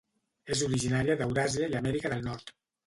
És originària d'Euràsia i Amèrica del Nord.